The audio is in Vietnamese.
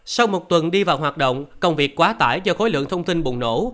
sau một tuần đi vào hoạt động công việc quá tải do khối lượng thông tin bùng nổ